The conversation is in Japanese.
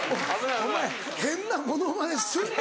お前変なモノマネすんな！